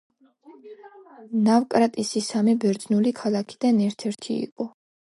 ნავკრატისი სამი ბერძნული ქალაქიდან ერთ-ერთი იყო.